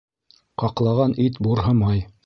Ҡаҡлаған ит бурһымай